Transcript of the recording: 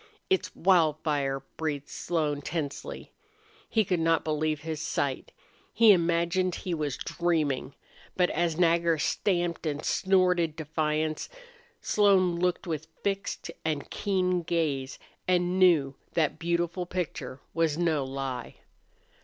"It's Wildfire!" breathed Slone, tensely. He could not believe his sight. He imagined he was dreaming. But as Nagger stamped and snorted defiance Slone looked with fixed and keen gaze, and knew that beautiful picture was no lie.